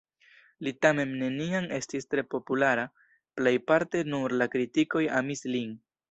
Li tamen neniam estis tre populara, plejparte nur la kritikoj amis lin.